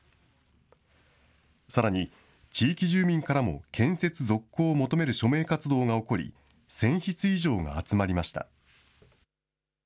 さらに、地域住民からも建設続行を求める署名活動が起こり、１０００筆以上が集まりました。